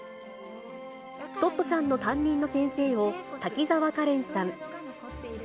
トットちゃんの担任の先生を滝沢カレンさん。